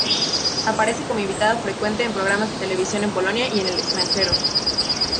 Aparece como invitado frecuente en programas de televisión en Polonia y en el extranjero.